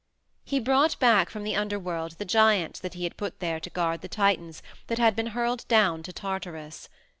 He brought back from the Underworld the giants that he had put there to guard the Titans that had been hurled down to Tartarus.